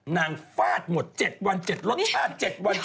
นางฝ้าดหมด๗วัน๗อารมณ์